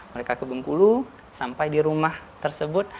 mereka ke bengkulu sampai di rumah tersebut